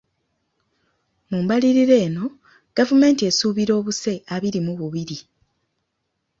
Mu mbalirira eno, gavumenti esuubira obuse abiri mu bubiri.